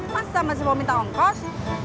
masa masih mau minta ongkos